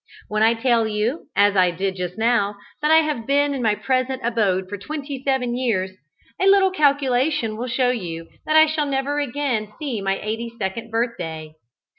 When I tell you, as I did just now, that I have been in my present abode for twenty seven years, a little calculation will show you that I shall never again see my eighty second birthday.